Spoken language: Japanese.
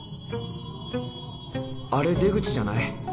あれ出口じゃない？